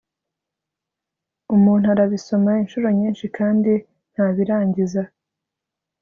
Umuntu arabisoma inshuro nyinshi kandi ntabirangiza